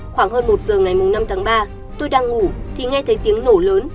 khoảng hơn một giờ ngày năm tháng ba tôi đang ngủ thì nghe thấy tiếng nổ lớn